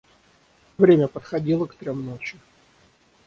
Время подходило к трем ночи.